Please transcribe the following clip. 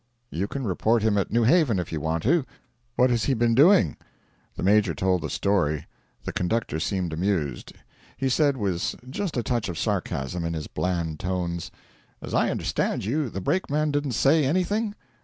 'You can report him at New Haven if you want to. What has he been doing?' The Major told the story. The conductor seemed amused. He said, with just a touch of sarcasm in his bland tones: 'As I understand you, the brakeman didn't say anything?'